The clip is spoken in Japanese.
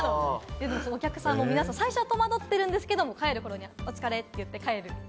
お客さんも皆さん、最初は戸惑ってるんですけど帰る頃にはお疲れって言って、帰ってる。